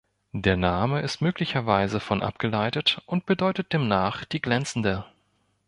Der Name ist möglicherweise von abgeleitet und bedeutet demnach „die Glänzende“.